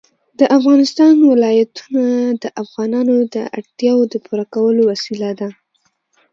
د افغانستان ولايتونه د افغانانو د اړتیاوو د پوره کولو وسیله ده.